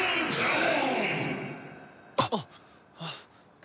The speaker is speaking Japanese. あっ！